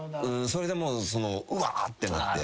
それでもううわ！ってなって。